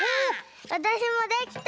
わたしもできた！